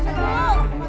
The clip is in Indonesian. sebaiknya emang emang